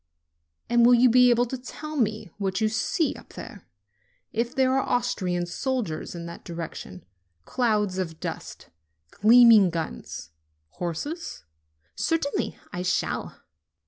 "And will you be able to tell me what you see up there if there are Austrian soldiers in that direction, clouds of dust, gleaming guns, horses ?" "Certainly I shall."